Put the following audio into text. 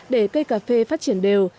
để cây cà phê phát triển đều